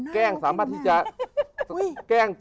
แก้งสามารถที่จะ